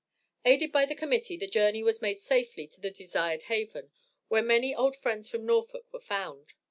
Aided by the Committee, the journey was made safely to the desired haven, where many old friends from Norfolk were found.